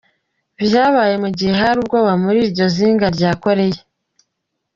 Vyabaye mu gihe hari ubwoba muri iryo zinga rya Koreya.